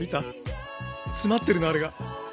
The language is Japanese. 詰まってるのあれが。